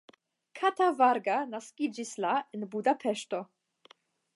Kata Varga naskiĝis la en Budapeŝto.